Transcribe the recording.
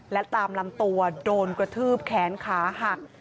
และตามลำตัวโดนกระทืบแขนขาหัก